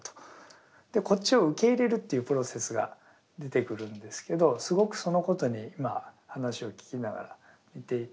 こっちを受け入れるというプロセスが出てくるんですけどすごくそのことに今話を聞きながら似ていて。